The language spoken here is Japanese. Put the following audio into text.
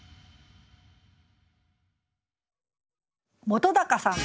本さん。